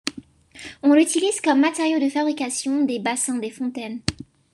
On l'utilise comme matériau de fabrication des bassins des fontaines.